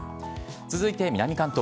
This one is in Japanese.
続いて南関東。